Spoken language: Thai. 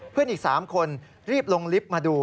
เพื่อนอีก๓คนรีบลงลิฟต์มาดู